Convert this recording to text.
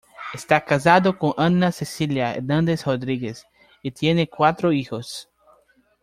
Esta casado con Ana Cecilia Hernández Rodríguez y tiene cuatro hijos.